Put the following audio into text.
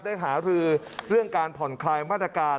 หารือเรื่องการผ่อนคลายมาตรการ